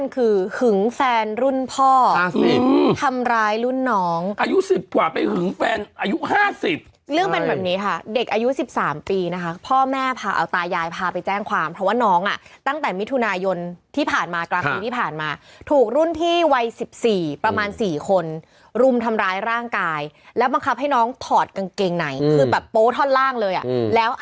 คือหึงแฟนรุ่นพ่ออืมทำร้ายรุ่นน้องอายุสิบกว่าไปหึงแฟนอายุห้าสิบเรื่องเป็นแบบนี้ค่ะเด็กอายุสิบสามปีนะคะพ่อแม่พาเอาตายายพาไปแจ้งความเพราะว่าน้องอ่ะตั้งแต่มิถุนายนที่ผ่านมากลางปีที่ผ่านมาถูกรุ่นที่วัยสิบสี่ประมาณสี่คนรุมทำร้ายร่างกายแล้วบังคับให้น้องถอดกางเก